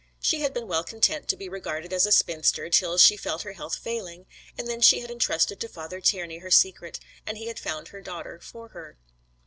She had been well content to be regarded as a spinster till she felt her health failing, and then she had entrusted to Father Tiernay her secret, and he had found her daughter for her.